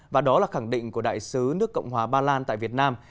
và đó là khẳng định của đại sứ nước cộng hòa ba lan tại việt nam